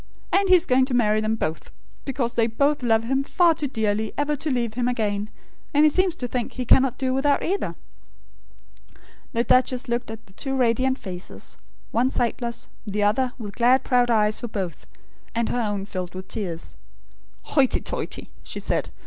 And he is going to marry them both; because they both love him far too dearly ever to leave him again; and he seems to think he cannot do without either." The duchess looked at the two radiant faces; one sightless; the other, with glad proud eyes for both; and her own filled with tears. "Hoity toity!" she said.